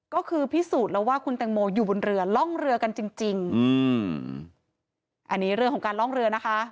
ก็คือพิสูจน์แล้วว่าคุณแตงโมอยู่บนเรือล่องเรือกันจริงจริงอืมอันนี้เรื่องของการล่องเรือนะคะ